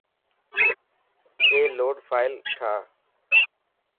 اي لڊ فائل ٺاهه.